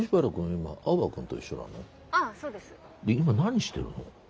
今何してるの？